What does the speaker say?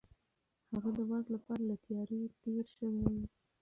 هغه د واک لپاره له تيارۍ تېر شوی و.